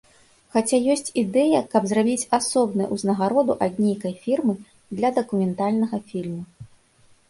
Хаця ёсць ідэя каб зрабіць асобную узнагароду ад нейкай фірмы для дакументальнага фільму.